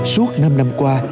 suốt năm năm qua